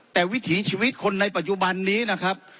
แต่วิถีชีวิตคนในปัจจุบันนี้นะครับ